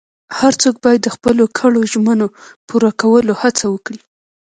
هر څوک باید د خپلو کړو ژمنو پوره کولو هڅه وکړي.